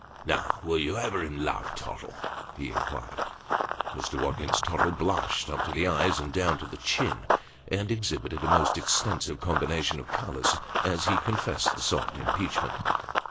" Now, were you ever in love, Tottle ?" he inquired. Mr. Watkins Tottle blushed up to the eyes, and down to the chin, and exhibited a most extensive combination of colours as he confessed the soft impeachment.